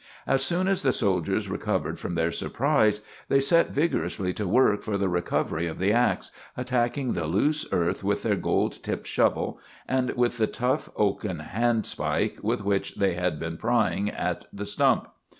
As soon as the soldiers recovered from their surprise they set vigorously to work for the recovery of the ax, attacking the loose earth with their gold tipped shovel and with the tough oaken handspike with which they had been prying at the stump.